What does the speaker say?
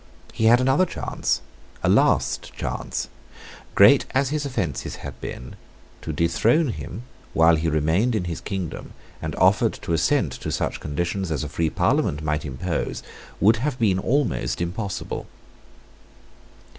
He had another chance, a last chance. Great as his offences had been, to dethrone him, while he remained in his kingdom and offered to assent to such conditions as a free Parliament might impose, would have been almost impossible.